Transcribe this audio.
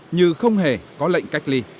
như không hề có lệnh cách ly